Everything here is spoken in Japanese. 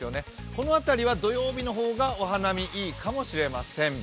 この辺りは土曜日の方がお花見、いいかもしれません。